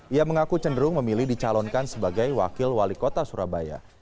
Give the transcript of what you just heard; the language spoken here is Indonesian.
ia mengaku cenderung memilih dicalonkan sebagai wakil wali kota surabaya